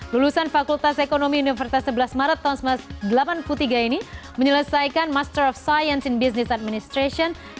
lulusan fakultas ekonomi universitas sebelas maret tahun seribu sembilan ratus delapan puluh tiga ini menyelesaikan master of sciencen business administration